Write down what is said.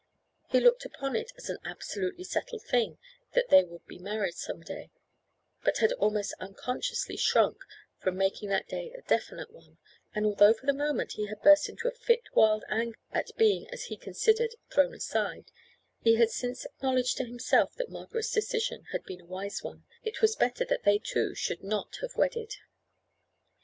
He looked upon it as an absolutely settled thing that they would be married some day, but had almost unconsciously shrunk from making that day a definite one; and although for the moment he had burst into a fit of wild anger at being as he considered thrown aside, he had since acknowledged to himself that Margaret's decision had been a wise one, and that it was better that they two should not have wedded.